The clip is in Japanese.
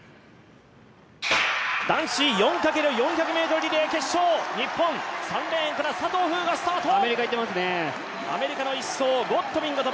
男子４×４００ｍリレー決勝、日本、３レーンから佐藤風雅スタート。